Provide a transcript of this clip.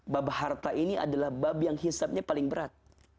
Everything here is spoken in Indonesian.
bab harta ini adalah bab yang hisapnya paling berat